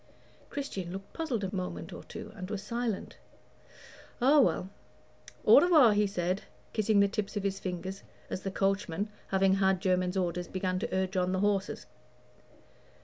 Christian looked puzzled a moment or two, and was silent. "Oh, well au revoir," he said, kissing the tips of his fingers as the coachman, having had Jermyn's order, began to urge on the horses.